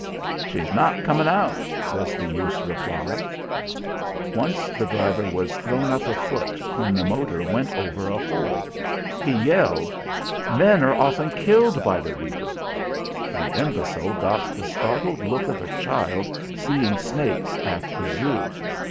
"She's not comin' out!" was the youth's reply. Once the driver was thrown up a foot when the motor went over a hole. He yelled: "Men are often killed by the reaper." The imbecile got the startled look of a child seeing snakes at the Zoo.